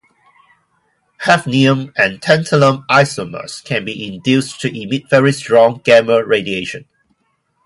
Hafnium and tantalum isomers can be induced to emit very strong gamma radiation.